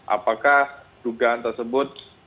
apakah dugaan tersebut